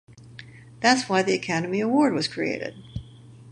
That's why the Academy Award was created.